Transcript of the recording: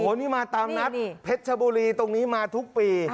นี่มาตามนัดเพชรชบุรีตรงนี้มาทุกปี